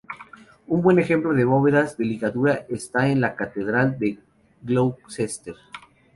Un buen ejemplo de bóvedas de ligadura está en la catedral de Gloucester.